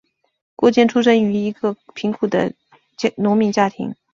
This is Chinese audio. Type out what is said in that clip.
郭坚出生于一个贫苦的农民家庭。